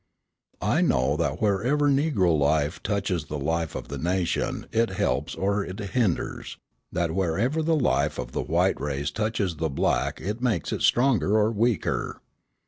I know that wherever Negro life touches the life of the nation it helps or it hinders, that wherever the life of the white race touches the black it makes it stronger or weaker.